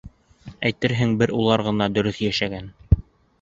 Әйтерһең, бер улар ғына дөрөҫ йәшәгән...